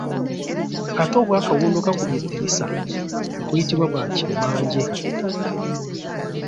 Ate obwa kawundokakubyeddirisa ne buyitibwa bwa kimmanje.